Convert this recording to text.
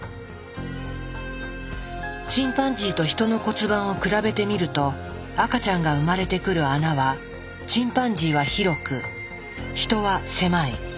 チンパンジーとヒトの骨盤を比べてみると赤ちゃんが生まれてくる穴はチンパンジーは広くヒトは狭い。